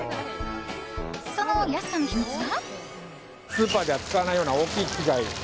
その安さの秘密は。